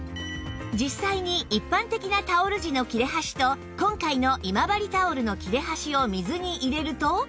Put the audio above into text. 実際に一般的なタオル地の切れ端と今回の今治タオルの切れ端を水に入れると